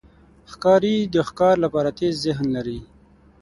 ښکاري د ښکار لپاره تېز ذهن لري.